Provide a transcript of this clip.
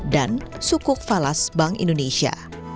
dan sukuk falas bank indonesia